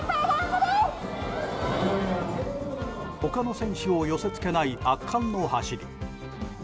他の選手を寄せつけない圧巻の走り。